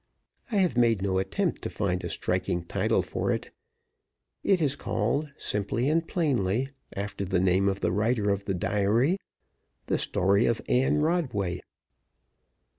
I have made no attempt to find a striking title for it. It is called, simply and plainly, after the name of the writer of the Diary the Story of Anne Rodway."